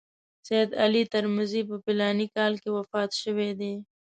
سید علي ترمذي په فلاني کال کې وفات شوی دی.